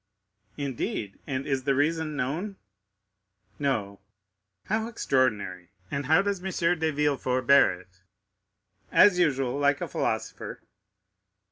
"Indeed? And is the reason known?" "No." "How extraordinary! And how does M. de Villefort bear it?" "As usual. Like a philosopher."